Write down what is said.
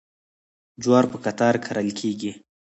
جوار په قطار کرل کیږي.